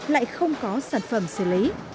lại không có sản phẩm xử lý